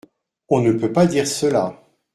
On ne peut pas dire cela.